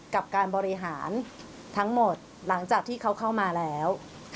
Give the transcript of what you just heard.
กับการบริหารทั้งหมดหลังจากที่เขาเข้ามาแล้ว